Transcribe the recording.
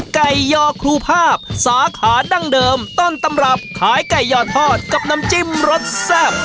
ยอครูภาพสาขาดั้งเดิมต้นตำรับขายไก่ยอทอดกับน้ำจิ้มรสแซ่บ